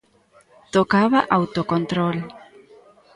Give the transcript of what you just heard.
Tocaba autocontrol.